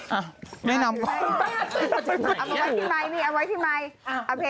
เอาเพลงเอาเพลงมาไว้ที่ไม้แหม่